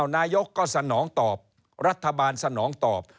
นายกก็สนองตอบรัฐบาลสนองตอบ